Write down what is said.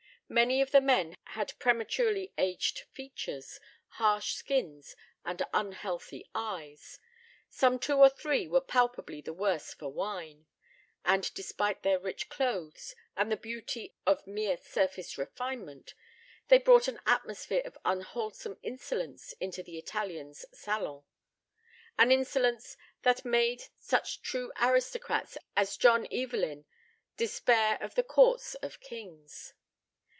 Many of the men had prematurely aged features, harsh skins, and unhealthy eyes. Some two or three were palpably the worse for wine. And despite their rich clothes and the beauty of mere surface refinement, they brought an atmosphere of unwholesome insolence into the Italian's salon—an insolence that made such true aristocrats as John Evelyn despair of the courts of kings.